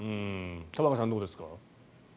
玉川さん、どうですか？